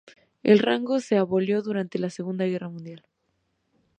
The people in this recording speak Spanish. El rango se abolió durante la Segunda Guerra Mundial.